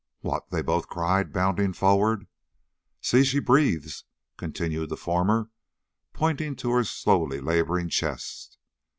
"What!" they both cried, bounding forward. "See, she breathes," continued the former, pointing to her slowly laboring chest.